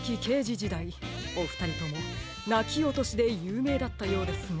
いおふたりともなきおとしでゆうめいだったようですね。